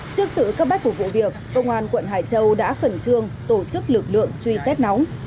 trước sự cấp bách của vụ việc công an quận hải châu đã khẩn trương tổ chức lực lượng truy xét nóng